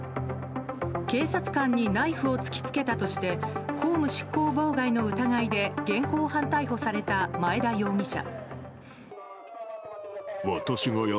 警察官にナイフを突きつけたとして公務執行妨害の疑いで現行犯逮捕された前田容疑者。